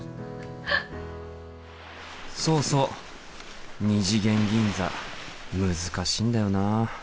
そうそう二次元銀座難しいんだよな。